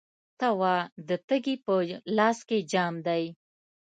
ته وا، د تږي په لاس کې جام دی